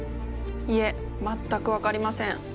いえ全く分かりません。